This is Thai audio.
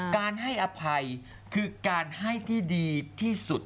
การให้อภัยคือการให้ที่ดีที่สุด